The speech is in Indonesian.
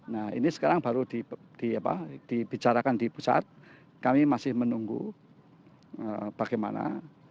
nah ini sekarang baru dibicarakan di pusat kami masih menunggu bagaimana